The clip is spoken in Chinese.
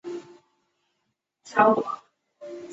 特鲁瓦永人口变化图示